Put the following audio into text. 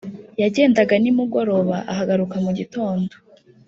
Yagendaga nimugoroba akagaruka mu gitondo